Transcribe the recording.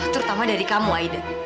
terutama dari kamu aida